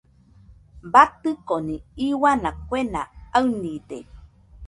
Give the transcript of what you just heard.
Batɨconi iuana kue aɨnide.